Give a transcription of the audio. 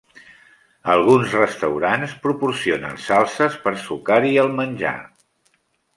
Alguns restaurants proporcionen salses per sucar-hi el menjar.